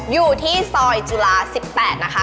อยู่ที่ซอยจุฬา๑๘นะคะ